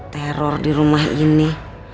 teror di rumah ini